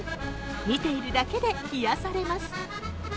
見ているだけで癒やされます。